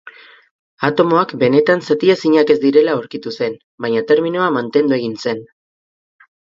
Atomoak benetan zatiezinak ez direla aurkitu zen, baina terminoa mantendu egin zen